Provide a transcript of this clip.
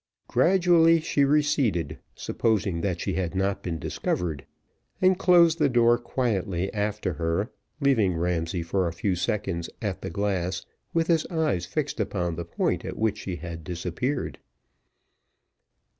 Gradually she receded, supposing that she had not been discovered, and closed the door quietly after her leaving Ramsay for a few seconds at the glass, with his eyes fixed upon the point at which she had disappeared.